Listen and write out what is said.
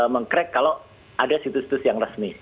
meng crack kalau ada situs situs yang resmi